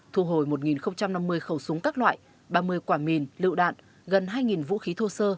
thu hồi một năm mươi khẩu súng các loại ba mươi quả mìn lựu đạn gần hai vũ khí thô sơ